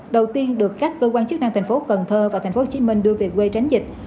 đầu tiên được các cơ quan chức năng tp cần thơ và tp hcm đưa về quê tránh dịch